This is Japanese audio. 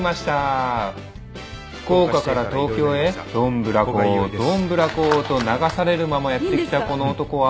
福岡から東京へどんぶらこどんぶらこと流されるままやって来たこの男は。